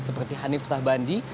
seperti hanif sahbandi